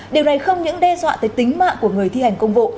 điều này không những đe dọa tới tính mạng của người thi hành công vụ